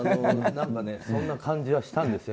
そんな感じはしたんですよ